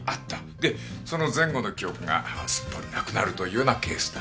でその前後の記憶がすっぽりなくなるというようなケースだ。